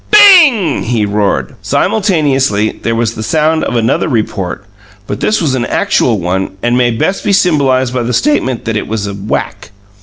"BING!" he roared. Simultaneously there was the sound of another report; but this was an actual one and may best be symbolized by the statement that it was a whack.